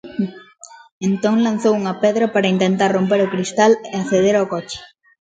Entón lanzou unha pedra para intentar romper o cristal e acceder ao coche.